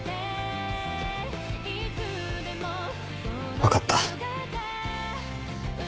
分かった。